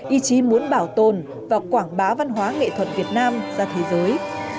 ý chí muốn bảo tồn và quảng bá văn hóa nghệ thuật việt nam ra thế giới